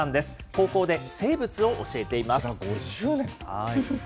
高校で生物を教えています。